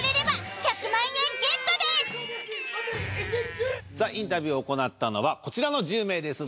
見事さあインタビューを行ったのはこちらの１０名です。